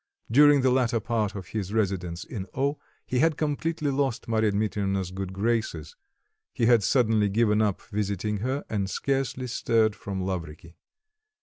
During the latter part of his residence in O he had completely lost Marya Dmitrievna's good graces; he had suddenly given up visiting her and scarcely stirred from Lavriky.